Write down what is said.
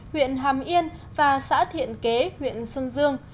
huyện hàm yên và xã thiện kế huyện sơn dương